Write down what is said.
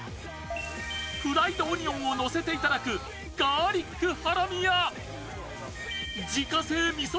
フライドオニオンをのせていただくガーリックハラミや自家製みそ